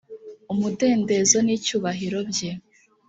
umudendezo n icyubahiro bye